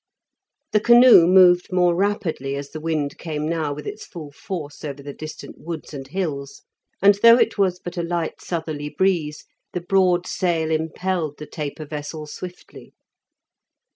The canoe moved more rapidly as the wind came now with its full force over the distant woods and hills, and though it was but a light southerly breeze, the broad sail impelled the taper vessel swiftly.